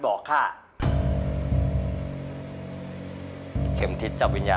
จัดเต็มให้เลย